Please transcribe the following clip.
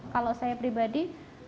kalau saya pribadi